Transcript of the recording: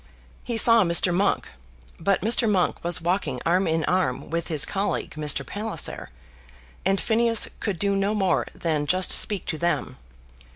He saw Mr. Monk, but Mr. Monk was walking arm in arm with his colleague, Mr. Palliser, and Phineas could do no more than just speak to them.